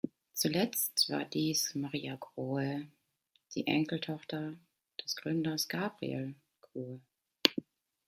Zuletzt war dies Maria Grohe, die Enkeltochter des Gründers Gabriel Grohe.